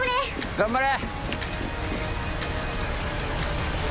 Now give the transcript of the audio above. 頑張れ。